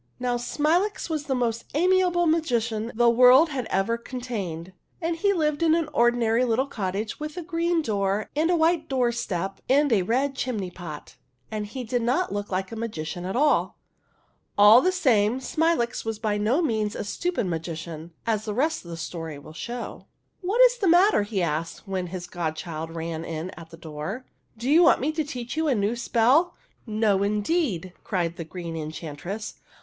Now, Smilax was the most amiable magician the world has ever contained, and he lived in an ordinary little cottage with a green door and a white doorstep and a red chimney pot, and he did not look like a magician at all. All the same, Smilax was by no means a THE HUNDREDTH PRINCESS 55 stupid magician, as the rest of the story will show. ''What is the matter?" he asked, when his godchild ran in at the door. " Do you want me to teach you a new spell ?"" No, indeed !" cried the Green Enchantress.